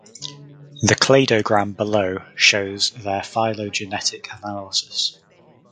The cladogram below shows their phylogenetic analysis.